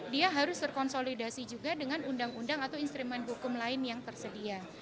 dia harus terkonsolidasi juga dengan undang undang atau instrumen hukum lain yang tersedia